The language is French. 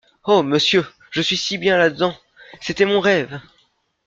Oh ! monsieur, je suis si bien là-dedans ! c’était mon rêve.